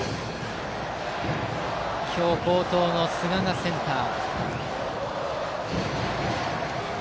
今日、好投の寿賀がセンター。